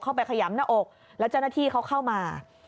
ขยำหน้าอกแล้วเจ้าหน้าที่เขาเข้ามา